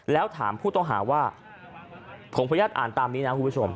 แล้วถามผู้ต้องหาว่าผมขออนุญาตอ่านตามนี้นะคุณผู้ชม